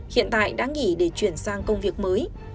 hiện tại đã nghỉ để chuyển sang công việc mới